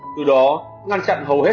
từ đó ngăn chặn hầu hết